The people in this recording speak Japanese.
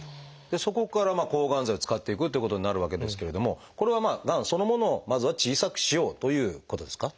そこから抗がん剤を使っていくということになるわけですけれどもこれはがんそのものをまずは小さくしようということですか？